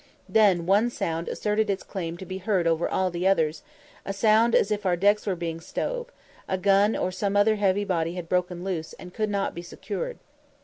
Then one sound asserted its claim to be heard over all the others a sound as if our decks were being stove a gun or some other heavy body had broken loose, and could not be secured.